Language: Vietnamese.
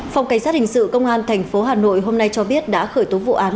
phòng cảnh sát hình sự công an tp hà nội hôm nay cho biết đã khởi tố vụ án